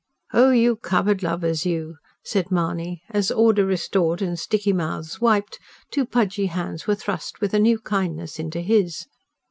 "Oh, you cupboard lovers, you!" said Mahony as, order restored and sticky mouths wiped, two pudgy hands were thrust with a new kindness into his.